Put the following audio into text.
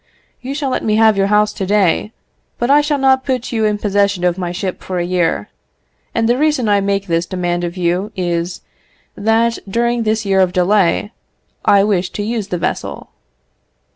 You shall let me have your house to day, but I shall not put you in possession of my ship for a year; and the reason I make this demand of you is, that, during this year of delay, I wish to use the vessel."